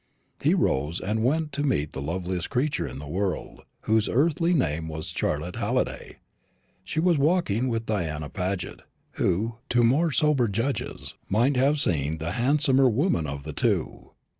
He rose, and went to meet the loveliest creature in the world, whose earthly name was Charlotte Halliday. She was walking with Diana Paget, who, to more sober judges, might have seemed the handsomer woman of the two.